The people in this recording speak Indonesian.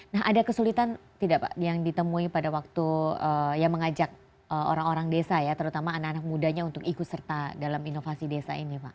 nah ada kesulitan tidak pak yang ditemui pada waktu yang mengajak orang orang desa ya terutama anak anak mudanya untuk ikut serta dalam inovasi desa ini pak